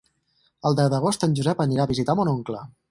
El deu d'agost en Josep anirà a visitar mon oncle.